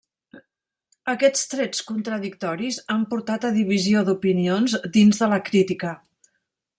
Aquests trets contradictoris han portat a divisió d'opinions dins de la crítica.